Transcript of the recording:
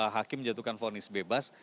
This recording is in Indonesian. hakim jatuhkan fonis bebas